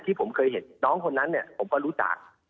ผมเคยเห็นน้องคนนั้นเนี่ยผมก็รู้จัก